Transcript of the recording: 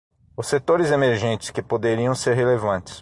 Os setores emergentes que poderiam ser relevantes.